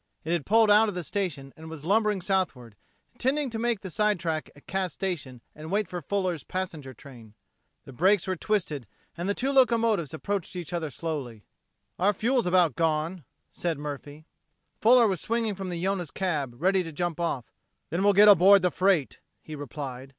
It had pulled out of the station and was lumbering southward, intending to make the side track at Cass Station and wait for Fuller's passenger train. Brakes were twisted, and the two locomotives approached each other slowly. "Our fuel's about gone," said Murphy. Fuller was swinging from the Yonah's cab, ready to jump off. "Then we'll get aboard the freight," he replied.